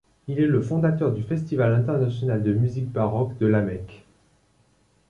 Il est le fondateur du Festival international de musique baroque de Lamèque.